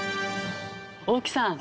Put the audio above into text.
大木さん